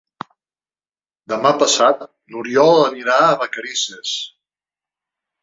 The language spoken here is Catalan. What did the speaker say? Demà passat n'Oriol anirà a Vacarisses.